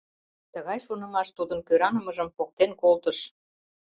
Тыгай шонымаш тудын кӧранымыжым поктен колтыш.